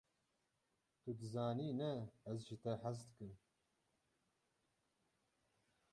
Tu dizanî ne, ez ji te hez dikim.